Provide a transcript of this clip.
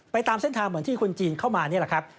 ตามเส้นทางเหมือนที่คนจีนเข้ามานี่แหละครับ